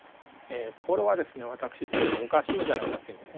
これは私非常におかしいんじゃないかというふうに思ってます。